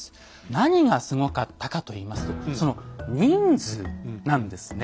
何がすごかったかといいますとその人数なんですね。